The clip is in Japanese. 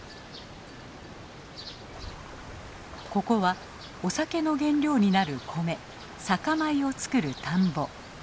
ここはお酒の原料になる米酒米を作る田んぼ。